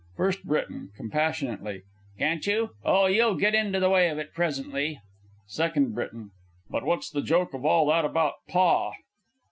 FIRST B. (compassionately). Can't you? Oh, you'll get into the way of it presently. SECOND B. But what's the joke of all that about "Pa"?